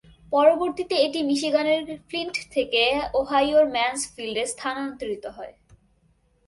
পরবর্তীতে এটি মিশিগানের ফ্লিন্ট থেকে ওহাইওর ম্যানসফিল্ডে স্থানান্তরিত হয়।